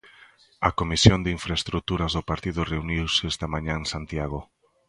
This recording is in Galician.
A Comisión de Infraestruturas do partido reuniuse esta mañá en Santiago.